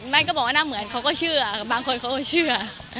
ก็บอกว่าหน้าเหมือนเขาก็เชื่อบางคนเขาก็เชื่อ